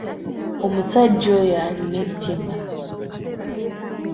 Omusajja oyo alina ettima.